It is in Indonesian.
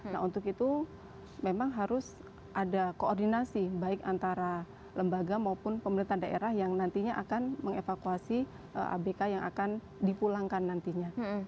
nah untuk itu memang harus ada koordinasi baik antara lembaga maupun pemerintah daerah yang nantinya akan mengevakuasi abk yang akan dipulangkan nantinya